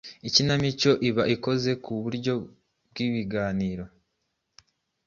Ikinamico iba ikoze ku buryo bw’ibiganiro